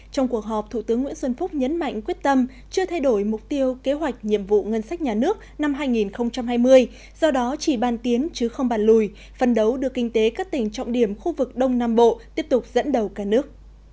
trong cuộc họp thủ tướng nguyễn xuân phúc nhấn mạnh quyết tâm chưa thay đổi mục tiêu kế hoạch nhiệm vụ ngân sách nhà nước năm hai nghìn hai mươi do đó chỉ ban tiến chứ không bàn lùi phân đấu đưa kinh tế các tỉnh trọng điểm khu vực đông nam bộ tiếp tục dẫn đầu cả nước